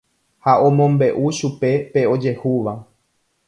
Ha omombe'u chupe pe ojehúva.